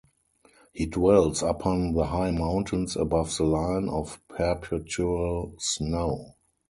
He dwells upon the high mountains above the line of perpetual snow.